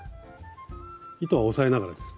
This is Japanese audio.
糸は押さえながらですね？